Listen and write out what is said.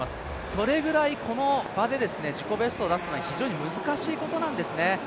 それくらいこの場で自己ベストを出すのは非常に難しいことなんですね。